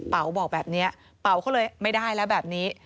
เป๋าบอกแบบนี้เป๋าเขาเลยไม่ได้แล้วแบบนี้